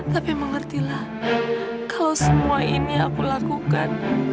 tapi mengertilah kalau semua ini aku lakukan